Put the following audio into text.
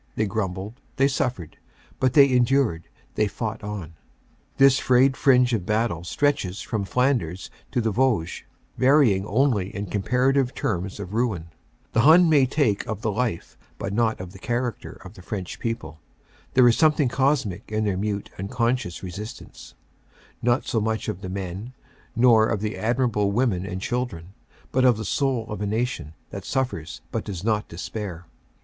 They grumbled ; they suffered ; but they endured ; they fought on. * This frayed fringe of battle stretches from Flanders to the Vosges, varying only in comparative terms of ruin. The Hun may take of the life but not of the character of the French people. There is something cosmic in their mute unconscious resistance, not so much of the men, nor of the admirable women and children, but of the soul of a nation that suffers but does not despair.